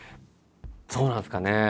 そうなんですかね。